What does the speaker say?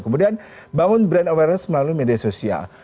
kemudian bangun brand awareness melalui media sosial